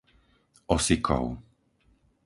Osikov